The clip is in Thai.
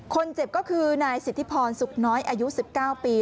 คนเจ็บก็คือนายสิทธิพรสุขน้อยอายุ๑๙ปี